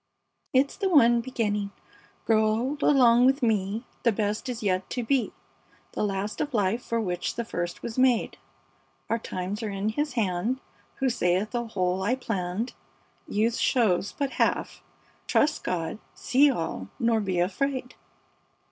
"It's the one beginning: "Grow old along with me! The best is yet to be, The last of life, for which the first was made: Our times are in His hand Who saith, 'A whole I planned, Youth shows but half; trust God: see all, nor be afraid!'"